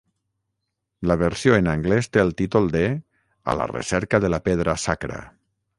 La versió en anglès té el títol de "A la recerca de la pedra sacra".